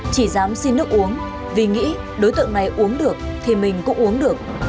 chỉ dám xin nước uống vì nghĩ đối tượng này uống được thì mình cũng uống được